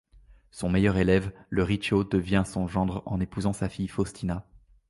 Son meilleur élève, Le Riccio, devint son gendre en épousant sa fille Faustina.